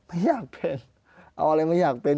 ไม่อยากเป็นเอาอะไรมาอยากเป็น